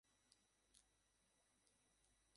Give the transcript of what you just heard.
এতে দেখা গেছে, এখনকার শুক্র গ্রহ অতীতে অন্য রকম স্থান ছিল।